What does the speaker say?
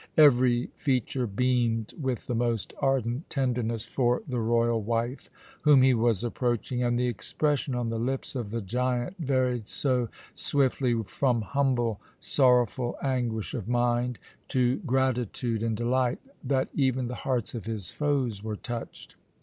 Every feature beamed with the most ardent tenderness for the royal wife whom he was approaching, and the expression on the lips of the giant varied so swiftly from humble, sorrowful anguish of mind to gratitude and delight, that even the hearts of his foes were touched.